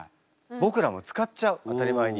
僕らも使っちゃう当たり前に。